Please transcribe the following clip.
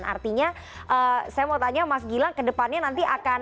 dan artinya saya mau tanya mas gilang ke depannya nanti akan